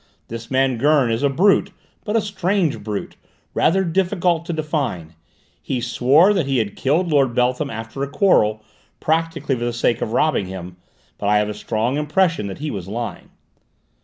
This man Gurn is a brute, but a strange brute, rather difficult to define; he swore that he had killed Lord Beltham after a quarrel, practically for the sake of robbing him, but I had a strong impression that he was lying."